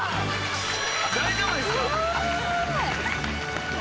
大丈夫ですか？